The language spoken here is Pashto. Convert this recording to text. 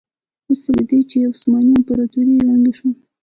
وروسته له دې چې عثماني امپراتوري ړنګه شوه.